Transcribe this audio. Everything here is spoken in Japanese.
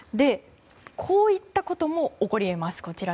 こういったことも起こり得ます。